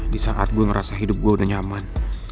di saat gue merasa hidup gue udah nyaman